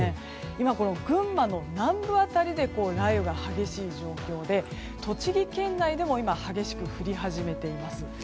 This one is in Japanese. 今、群馬の南部辺りで雷雨が激しい状況で栃木県内でも今激しく降り始めています。